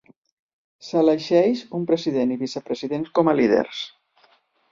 S'elegeix un president i vicepresident com a líders.